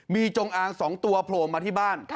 มีจงอาง๒ตัวโผล่มาที่บ้าน